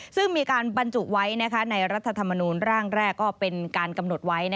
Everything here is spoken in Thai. ซึ่งมีการบรรจุไว้ในรัฐธรรมนูลร่างแรกก็เป็นการกำหนดไว้